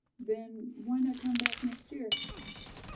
"Then, why not come back next year?"